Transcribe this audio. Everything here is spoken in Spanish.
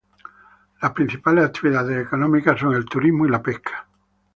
Las principales actividades económicas son el turismo y la pesca.